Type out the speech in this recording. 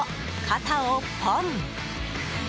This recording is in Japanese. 肩をポン。